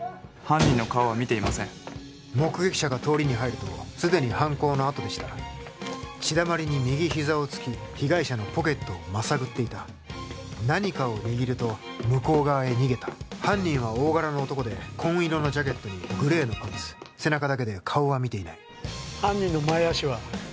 犯人の顔は見ていません目撃者が通りに入るとすでに犯行のあとでした血だまりに右膝をつき被害者のポケットをまさぐっていた何かを握ると向こう側へ逃げた犯人は大柄な男で紺色のジャケットにグレーのパンツ背中だけで顔は見ていない犯人の前足は？